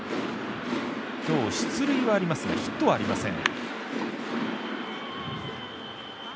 今日、出塁はありますがヒットはありません。